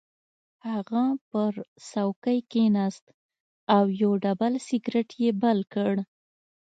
هغه پر څوکۍ کېناست او یو ډبل سګرټ یې بل کړ